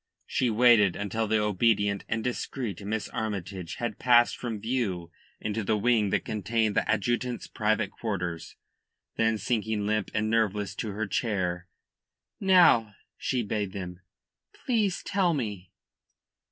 She waited until the obedient and discreet Miss Armytage had passed from view into the wing that contained the adjutant's private quarters, then sinking limp and nerveless to her chair: "Now," she bade them, "please tell me."